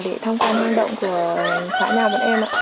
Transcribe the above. để tham quan hang động thì chị có thể dẫn đức minh đi tham quan được không ạ